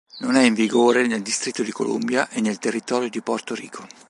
Non è in vigore nel Distretto di Columbia e nel territorio di Porto Rico.